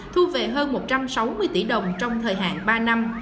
thu về hơn một trăm sáu mươi tỷ đồng trong thời hạn ba năm